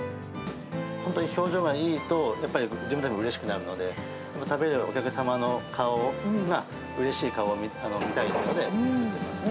本当に表情がいいと、やっぱり自分たちもうれしくなるので、食べるお客様の顔を、うれしい顔を見たいので作っています。